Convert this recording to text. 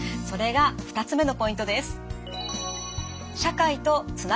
それが２つ目のポイントです。